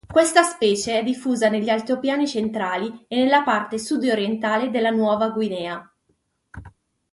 Questa specie è diffusa negli altopiani centrali e nella parte sud-orientale della Nuova Guinea.